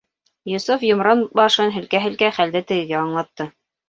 Йософ йомран башын һелкә-һелкә хәлде тегегә аңлатты.